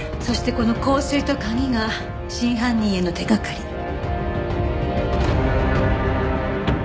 そしてこの香水と鍵が真犯人への手掛かり。